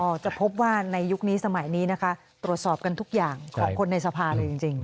จะพบว่าในยุคนี้สมัยนี้นะคะตรวจสอบกันทุกอย่างของคนในสภาเลยจริง